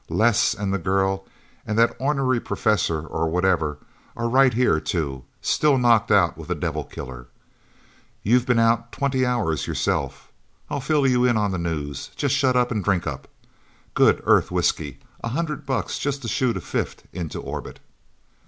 Les and the girl, and that ornery professor or whatever, are right here, too still knocked out with a devil killer. You've been out twenty hours, yourself. I'll fill you in on the news. Just shut up and drink up. Good Earth whiskey a hundred bucks just to shoot a fifth into orbit."